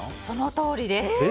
そのとおりです。